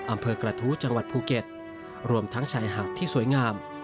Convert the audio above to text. อำเภอกระทู้จังหวัดภูเก็ตรวมทั้งชายหาดที่สวยงาม